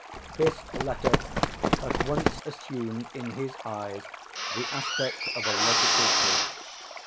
This letter at once assumed in his eyes the aspect of a logical proof.